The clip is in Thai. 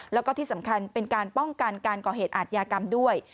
แล้วก็ที่สำคัญเป็นการป้องกันการก่อเหตุอาทยากรรมด้วย